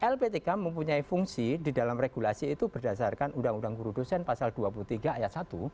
lptk mempunyai fungsi di dalam regulasi itu berdasarkan uu guru dosen pasal dua puluh tiga ayat satu